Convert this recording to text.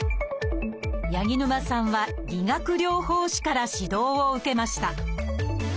八木沼さんは理学療法士から指導を受けました。